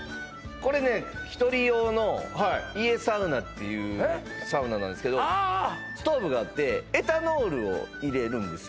これねひとり用のＩＥＳＡＵＮＡっていうサウナなんですけどああああストーブがあってエタノールを入れるんですよ